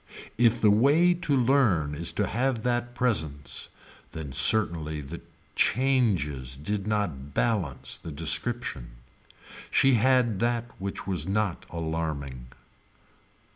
If the way to learn is to have that presence then certainly the changes did not balance the description. She had that which was not alarming.